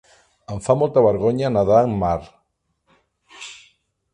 Em fa molta vergonya nedar en mar.